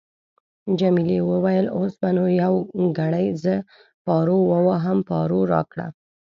جميلې وويل:: اوس به نو یو ګړی زه پارو وواهم، پارو راکړه.